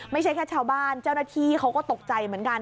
ไม่ใช่แค่ชาวบ้านเจ้าหน้าที่เขาก็ตกใจเหมือนกัน